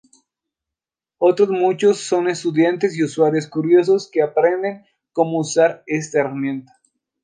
Otros muchos son estudiantes y usuarios curiosos, que aprenden cómo usar esta herramienta.